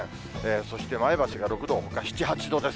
そして前橋が６度、ほか７、８度です。